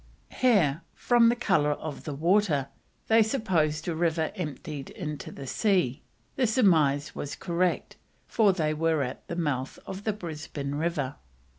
Here, from the colour of the water, they supposed a river emptied into the sea; the surmise was correct, for they were at the mouth of the Brisbane River.